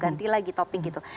ganti lagi topik gitu